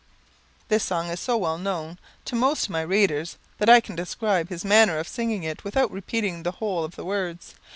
This song is so well known to most of my readers, that I can describe his manner of singing it without repeating the whole of the words.